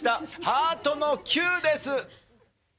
ハートの９です。